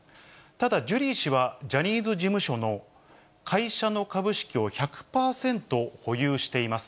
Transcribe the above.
ただ、ジュリー氏は、ジャニーズ事務所の会社の株式を１００％保有しています。